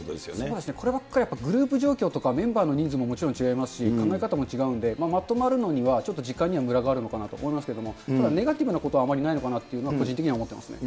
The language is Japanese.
こればっかりはグループ状況とか、メンバーの人数ももちろん違いますし、考え方も違うので、まとまるのには、ちょっと時間にはむらがあるのかなと思いますけど、ただネガティブなことはあまりないのかなというのは個人的には思ってますね。